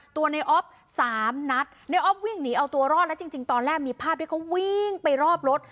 ตัวในออฟสามนัดในออฟวิ่งหนีเอาตัวรอดแล้วจริงตอนแรกมีภาพที่เขาวิ่งไปรอบรถ